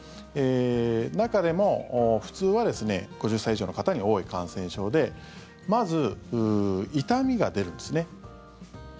中でも、普通は５０歳以上の方に多い感染症でまず、痛みが出るんですね。